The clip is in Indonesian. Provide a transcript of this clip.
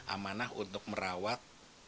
amanah untuk merawat